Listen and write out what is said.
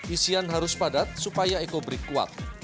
isian harus padat supaya ekobrik kuat